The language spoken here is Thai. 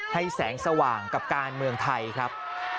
แสงสว่างกับการเมืองไทยครับ